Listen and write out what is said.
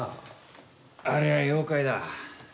あれは妖怪だ。